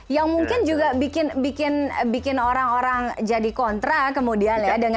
yang mungkin juga bikin orang orang jadi kontra kemudian ya